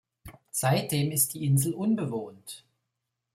Seitdem ist die Insel unbewohnt.